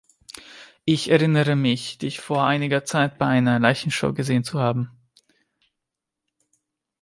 Ich erinnere mich, dich vor einiger Zeit bei einer Leichenschau gesehen zu haben.